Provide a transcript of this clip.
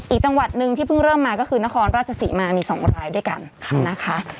อีกจังหวัดหนึ่งที่เพิ่งเริ่มมาก็คือนครราชศรีมามี๒รายด้วยกันนะคะ